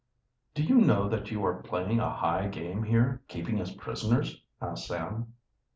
"Do you know that you are playing a high game here, keeping us prisoners?" asked Sam.